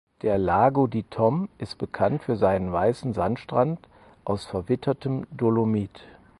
Der Lago di Tom ist bekannt für seinen weissen Sandstrand aus verwittertem Dolomit.